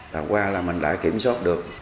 đã qua là mình đã kiểm soát được